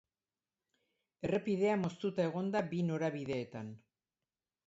Errepidea moztuta egon da bi norabideetan.